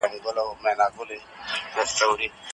د مېوو جوس بدن ته انرژي ورکوي.